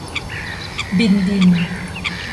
บินบิน